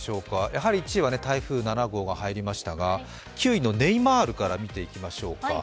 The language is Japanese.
やはり１位は台風７号が入りましたが９位のネイマールから見ていきましょうか。